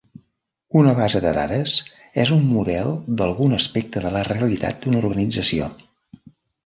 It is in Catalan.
Una base de dades és un model d'algun aspecte de la realitat d'una organització.